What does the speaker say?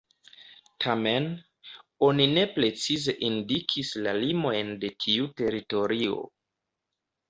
Tamen, oni ne precize indikis la limojn de tiu teritorio.